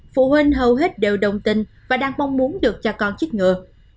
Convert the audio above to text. phụ huynh hầu hết đều đồng tình và đang mong muốn được cho con chích ngừa